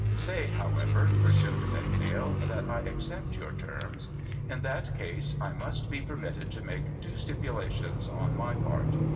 * Say, however,' pursued Vendale, ' that I accept your terms. In that case, I must be permitted to make two stipulations on my part.